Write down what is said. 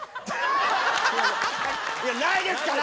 いやないですから！